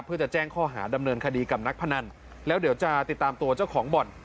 เพื่อจะแจ้งข้อหาดำเนินคดีกับนักพนันแล้วเดี๋ยวจะติดตามตัวเจ้าของบ่อน